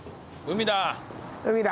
海だ！